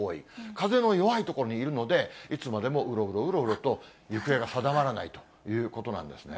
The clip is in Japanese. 風の弱い所にいるので、いつまでもうろうろうろうろと、行方が定まらないということなんですね。